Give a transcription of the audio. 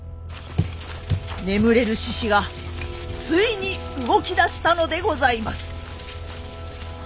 眠れる獅子がついに動き出したのでございます！